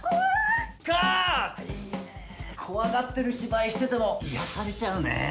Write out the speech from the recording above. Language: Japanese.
怖がってる芝居してても癒やされちゃうねえ。